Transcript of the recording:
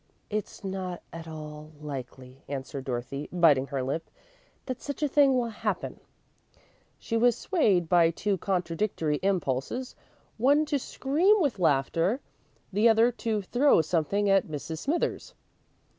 "It's not at all likely," answered Dorothy, biting her lip, "that such a thing will happen." She was swayed by two contradictory impulses one to scream with laughter, the other to throw something at Mrs. Smithers.